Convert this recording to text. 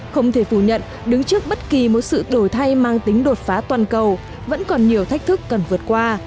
không thể phủ nhận đứng trước bất kỳ một sự đổi thay mang tính đột phá toàn cầu vẫn còn nhiều thách thức cần vượt qua